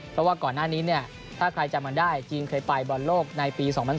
เพราะว่าก่อนหน้านี้เนี่ยถ้าใครจำมันได้จีนเคยไปบอลโลกในปี๒๐๑๘